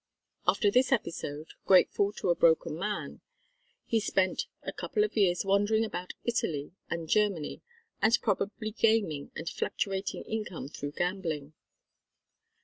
After this episode, grateful to a broken man, he spent a couple of years wandering about Italy and Germany and probably gaming a fluctuating income through gambling.